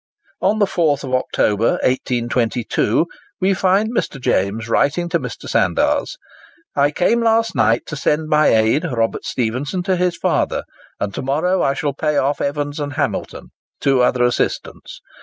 On the 4th October, 1822, we find Mr. James writing to Mr. Sandars, "I came last night to send my aid, Robert Stephenson, to his father, and to morrow I shall pay off Evans and Hamilton, two other assistants.